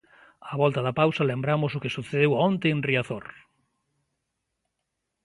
Á volta da pausa lembramos o que sucedeu onte en Riazor.